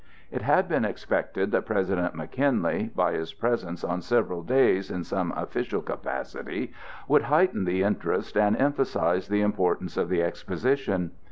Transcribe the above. It had been expected that President McKinley, by his presence on several days in some official capacity, would heighten the interest and emphasize the importance of the Exposition.